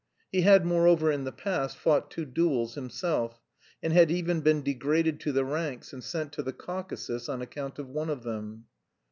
He had, moreover, in the past, fought two duels himself, and had even been degraded to the ranks and sent to the Caucasus on account of one of them.